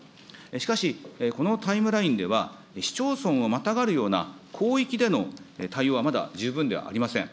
しかしこのタイムラインでは、市町村をまたがるような広域での対応はまだ十分ではありません。